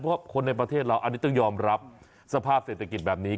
เพราะคนในประเทศเราอันนี้ต้องยอมรับสภาพเศรษฐกิจแบบนี้